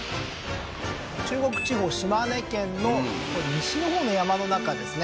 中国地方島根県の西のほうの山の中ですね